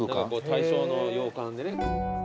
大正の洋館でね。